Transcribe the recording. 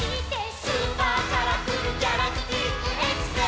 「スーパーカラフルギャラクティックエクスプレス！」